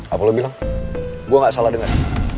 apa lo bilang gue gak salah denger